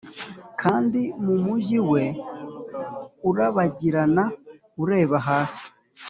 kandi mu mujyi we urabagirana ureba hasi,